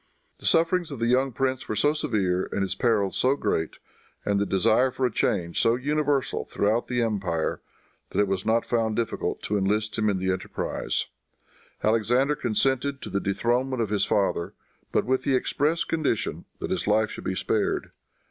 The sufferings of the young prince were so severe and his perils so great, and the desire for a change so universal throughout the empire, that it was not found difficult to enlist him in the enterprise. Alexander consented to the dethronement of his father, but with the express condition that his life should be spared.